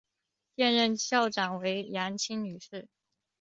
现任校长为杨清女士。